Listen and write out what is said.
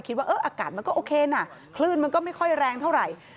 ว่าอากาศมันก็โอเคนะคลื่นมันก็ไม่ค่อยแรงเท่าไหร่